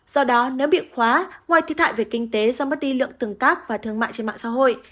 do đó nếu bị khóa ngoài thiệt hại về kinh tế do mất đi lượng tương tác và thương mại trên mạng xã hội